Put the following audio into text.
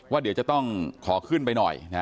ว่าเดี๋ยวจะต้องขอขึ้นไปหน่อยนะ